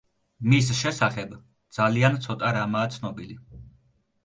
მის შესახებ ძალიან ცოტა რამაა ცნობილი.